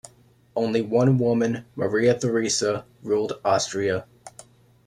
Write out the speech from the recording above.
Only one woman, Maria Theresa, ruled Austria.